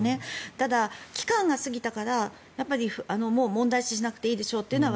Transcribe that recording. ただ、期間が過ぎたからもう問題視しなくていいでしょうというのは